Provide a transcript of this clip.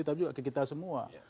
tapi juga ke kita semua